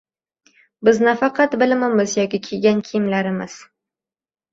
Biz nafaqat bilimimiz yoki kiygan kiyimlarimiz.